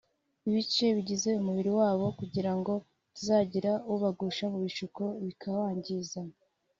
ibice bigize umubiri wabo kugira ngo hatazagira ubagusha mu bishuko bikawangiza